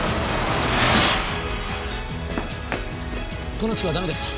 この地区はダメでした。